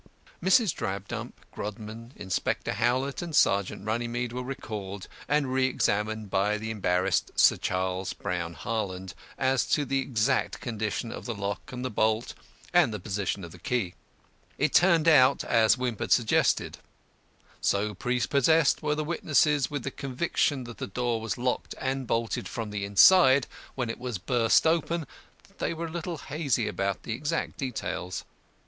Mrs. Drabdump, Grodman, Inspector Howlett, and Sergeant Runnymede were recalled and reëxammed by the embarrassed Sir Charles Brown Harland as to the exact condition of the lock and the bolt and the position of the key. It turned out as Wimp had suggested; so prepossessed were the witnesses with the conviction that the door was locked and bolted from the inside when it was burst open that they were a little hazy about the exact details.